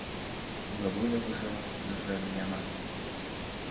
Бабулі ўжо, на жаль, няма.